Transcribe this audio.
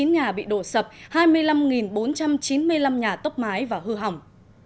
năm trăm hai mươi chín nhà bị đổ sập hai mươi năm bốn trăm chín mươi năm nhà tốc mái và hư hỏng